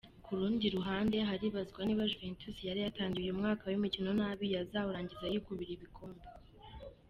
Kurundi ruhande haribanzwa niba Juventus yari yatangiy uyu mwakaw’imikoino nabi yazawurangiza yikubira ibikombe.